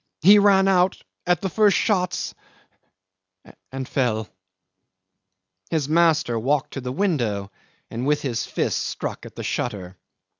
He ran out at the first shots and fell." ... His master walked to the window and with his fist struck at the shutter.